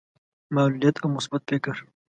معلوليت او مثبت فکر.